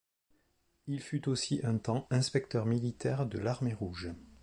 Il fut aussi un temps inspecteur militaire de l'Armée rouge.